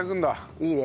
いいね！